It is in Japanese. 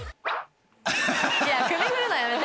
首振るのやめて。